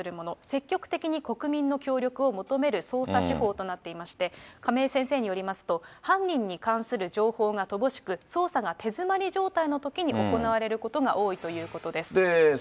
積極的に国民の協力を求める捜査手法となっていまして、亀井先生によりますと、犯人に関する情報が乏しく、捜査が手詰まり状態のときに行われることが多いということです。